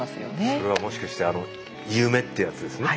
それはもしかして夢ってやつですね？